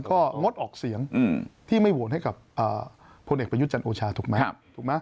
ก็งดออกเสียงที่ไม่โหวตให้กับพลเอกประยุทธ์จันทร์โอชาถูกไหมถูกไหม